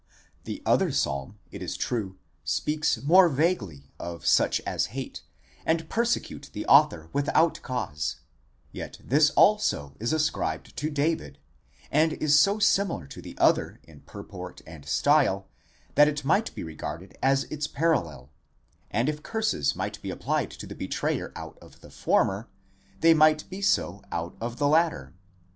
The other psalm, it is true, speaks more vaguely of such as hate and persecute the author without cause, yet this also is ascribed to David, and is so similar to the other in purport and style, that it might be regarded as its parallel, and if curses might be applied to the betrayer out of the former, they might be so out of the latter.